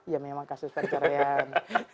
ya memang kasus perceraian